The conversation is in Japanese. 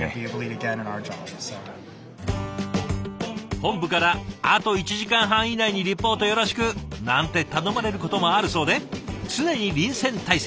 本部から「あと１時間半以内にリポートよろしく！」なんて頼まれることもあるそうで常に臨戦態勢。